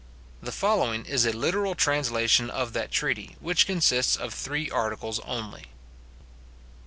The following is a literal translation of that treaty, which consists of three articles only.